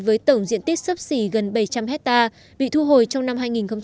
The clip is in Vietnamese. với tổng diện tích sấp xỉ gần bảy trăm linh hectare bị thu hồi trong năm hai nghìn một mươi tám